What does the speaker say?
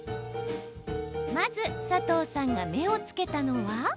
まず、佐藤さんが目を付けたのは。